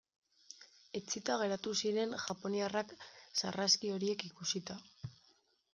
Etsita geratu ziren japoniarrak sarraski horiek ikusita.